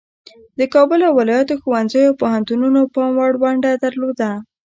د کابل او ولایاتو ښوونځیو او پوهنتونونو پام وړ ونډه درلوده.